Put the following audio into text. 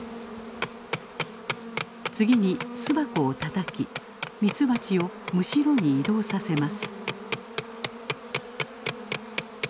次に巣箱をたたきミツバチをむしろに移動させます。